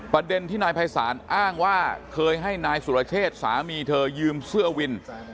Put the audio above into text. ประเด็นที่นายภัยศาลอ้างว่าเคยให้นายสุรเชษสามีเธอยืมเสื้อวิน